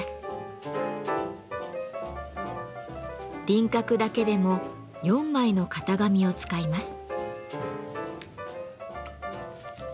輪郭だけでも４枚の型紙を使います。